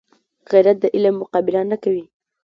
غیرت د علم مقابله نه کوي